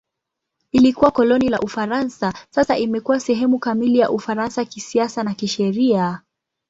Ilikuwa koloni la Ufaransa; sasa imekuwa sehemu kamili ya Ufaransa kisiasa na kisheria.